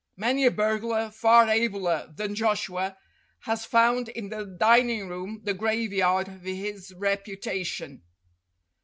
Many a burglar far abler than Joshua has found in the dining room the graveyard of his reputation.